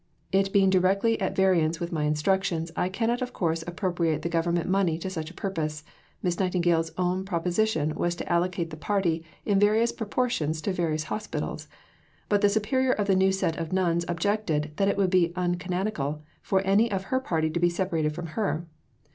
It being directly at variance with my instructions, I cannot of course appropriate the Government money to such a purpose." Miss Nightingale's own proposition was to allocate the party in various proportions to various hospitals; but the Superior of the new set of nuns objected that "it would be uncanonical" for any of her party to be separated from her.